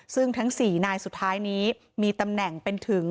ซึ่งทั้ง๔นายสุดท้ายนี้มีตำแหน่งเป็นถึง